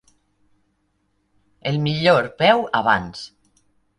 El millor peu abans.